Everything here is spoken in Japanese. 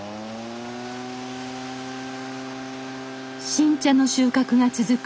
新茶の収穫が続く